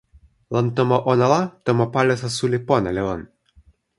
lon tomo ona la, tomo palisa suli pona li lon.